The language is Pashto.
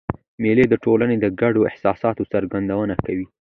مېلې د ټولني د ګډو احساساتو څرګندونه کوي.